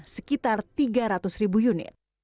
sekitar tiga ratus ribu unit